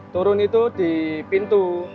turun itu di pintu